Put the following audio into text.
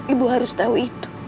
ibu harus tahu itu